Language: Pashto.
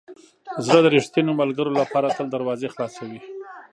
زړه د ریښتینو ملګرو لپاره تل دروازې خلاصوي.